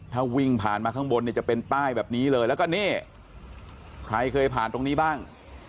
ถ้าวิ่งผ่านมาข้างบนเนี่ยจะเป็นป้ายแบบนี้เลยแล้วก็นี่ใครเคยผ่านตรงนี้บ้าง